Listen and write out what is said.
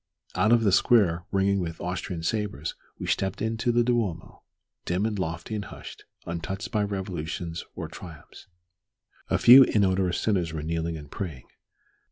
Out of the square, ringing with Austrian sabres, we stepped into the Duomo, dim and lofty and hushed, untouched by revolutions or triumphs. A few inodorous sinners were kneeling and praying.